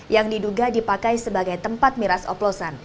yang diduga dipakai sebagai tempat miras oplosan